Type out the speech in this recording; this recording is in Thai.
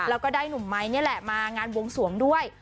แล้วก็ได้หนุ่มไม้นี่แหละมางานวงสวงด้วย